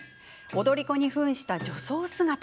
踊り子に、ふんした女装姿。